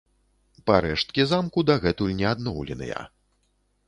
Парэшткі замку дагэтуль не адноўленыя.